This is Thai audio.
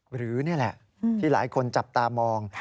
หรือนี่แหละที่หลายคนจับตามอง